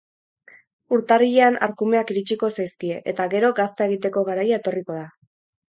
Urtarrilean arkumeak iritsiko zaizkie eta gero gazta egiteko garaia etorriko da.